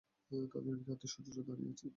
তাদের ঘিরে আত্মীয়স্বজনরা দাঁড়িয়ে আছে।